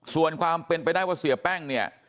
ส่วนความเป็นไปได้ว่าเสียแป้งเนี่ย